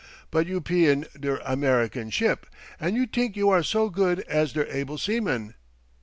But you pe in der American ship, and you t'ink you are so good as der able seamen.